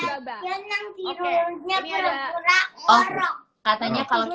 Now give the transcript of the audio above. kira kira yang tidurnya pura pura ngorok